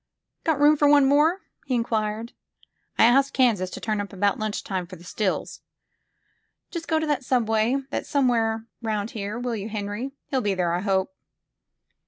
We got room for one more?" he inquired. I asked Kansas to turn up about lunch time for the stills. Just 202 THE FILM OF FATE go to that subway that's somewhere round here, will you, Henry? He'll be there, I hope."